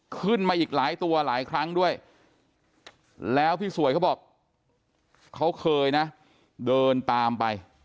ขึ้นมาอีกหลายตัวหลายครั้งด้วยแล้วพี่สวยเขาบอกเขาเคยนะเดินตามไป